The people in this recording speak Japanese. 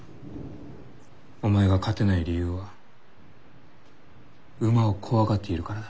お前が勝てない理由は馬を怖がっているからだ。